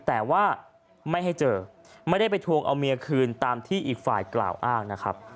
แต่ว่าไม่ให้เจอไม่ได้ไปทวงเอาเมียคืนตามที่อีกฝ่ายกล่าวอ้างนะครับ